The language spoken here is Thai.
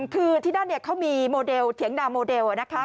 คือที่นั่นเขามีโมเดลเถียงนาโมเดลนะคะ